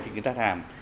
thì người ta thàm